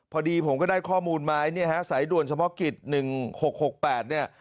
พอดีผมก็ได้ข้อมูลมาเนี่ยฮะสายด่วนเฉพาะกิจ๑๖๖๘เนี่ย